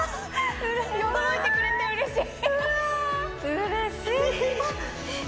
驚いてくれてうれしい。